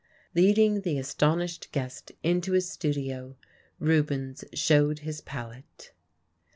Leading the astonished guest into his studio, Rubens showed his palette.